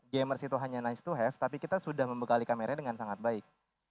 gamers itu hanya nice to have tapi kita sudah membekali kameranya dengan sangat baik